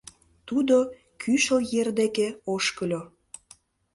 Тудо Кӱшыл ер деке ошкыльо.